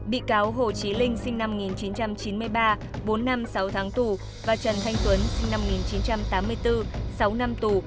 bị cáo hồ chí linh sinh năm một nghìn chín trăm chín mươi ba bốn năm sáu tháng tù và trần thanh tuấn sinh năm một nghìn chín trăm tám mươi bốn sáu năm tù